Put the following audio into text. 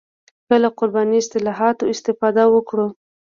که له قراني اصطلاحاتو استفاده وکړو.